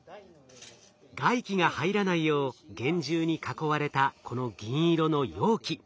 外気が入らないよう厳重に囲われたこの銀色の容器。